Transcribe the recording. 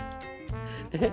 えっ。